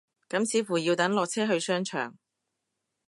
咁似乎要等落車去商場